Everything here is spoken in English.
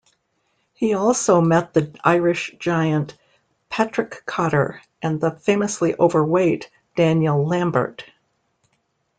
He also met the Irish giant Patrick Cotter and the famously overweight Daniel Lambert.